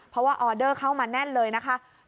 เพราะว่าออเดอร์เข้ามาแน่นเลยนะคะ